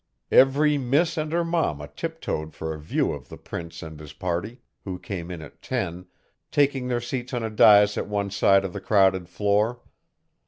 Every miss and her mamma tiptoed for a view of the Prince and his party, who came in at ten, taking their seats on a dais at one side of the crowded floor.